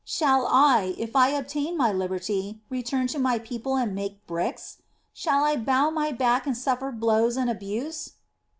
Shall I, if I obtain my liberty, return to my people and make bricks? Shall I bow my back and suffer blows and abuse?"